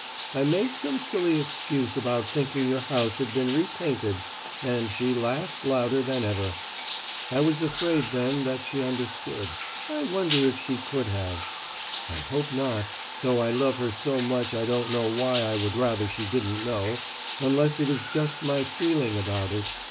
I made some silly excuse about thinking your house had been repainted and she laughed louder than ever. I was afraid then that she understood I wonder if she could have? I hope not, though I love her so much I don't know why I would rather she didn't know, unless it is just my feeling about it.